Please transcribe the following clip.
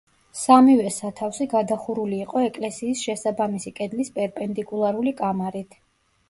სამივე სათავსი გადახურული იყო ეკლესიის შესაბამისი კედლის პერპენდიკულარული კამარით.